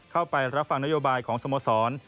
เข้าไปรับฟังนโยบายของสโมสร